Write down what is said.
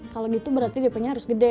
kalau gitu berarti dp nya harus gede